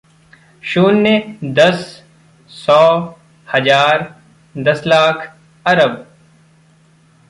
शून्य, दस, सौ, हज़ार, दस लाख, अरब।